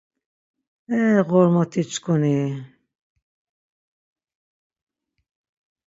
E ğormoti-çkuni!